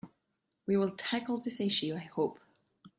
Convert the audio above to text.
We will tackle this issue, I hope.